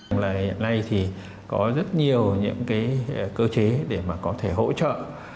hiện nay thì có rất nhiều những cái cơ chế để mà có thể hỗ trợ